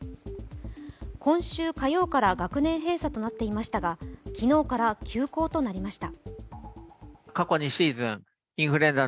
今週火曜日から学年閉鎖となっていましたが昨日から休校となりました。